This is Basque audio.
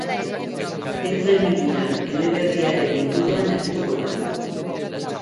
Entra en mi vida eleberriaren inguruan arituko da.